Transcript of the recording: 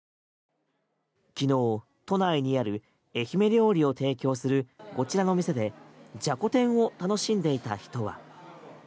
昨日、都内にある愛媛料理を提供するこちらのお店でじゃこ天を楽しんでいた人は。